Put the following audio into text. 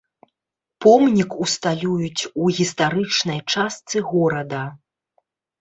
Помнік усталююць у гістарычнай частцы горада.